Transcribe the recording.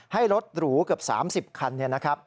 ให้รถหรูเกือบ๓๐คันนะครับ